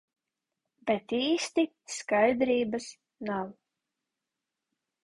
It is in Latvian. Bet īsti skaidrības nav.